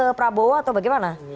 itu sudah ke pak prabowo atau bagaimana